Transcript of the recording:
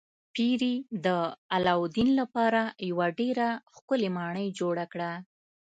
پیري د علاوالدین لپاره یوه ډیره ښکلې ماڼۍ جوړه کړه.